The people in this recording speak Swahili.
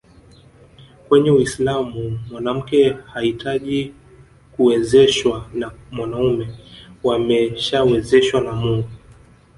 Kwenye Uislamu mwanamke hahitaji kuwezeshwa na mwanaume wameshawezeshwa na Mungu